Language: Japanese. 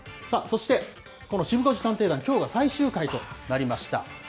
そして、このシブ５時探偵団、きょうが最終回となりました。